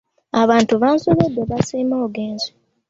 Abantu bansobera basiima ogenze.